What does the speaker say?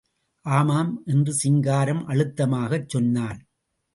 ஆமாம் என்று சிங்காரம் அழுத்தமாகச் சொன்னான்.